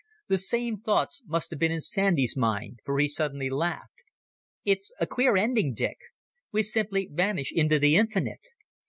The same thoughts must have been in Sandy's mind, for he suddenly laughed. "It's a queer ending, Dick. We simply vanish into the infinite.